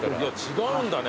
違うんだね。